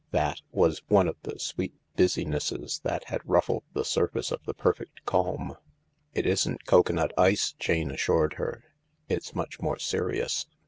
"That " was one of the sweet busy nesses that had ruffled the surface of the perfect calm. "It isn't cocoanut ice," Jane assured her; "it's much more serious."